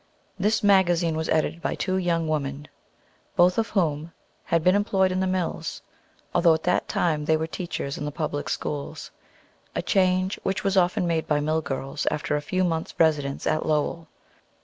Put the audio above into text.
This magazine was edited by two young women, both of whom had been employed in the mills, although at that time the were teachers in the public schools a change which was often made by mill girls after a few months' residence at Lowell.